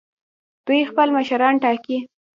دوی خپل مشران ټاکي.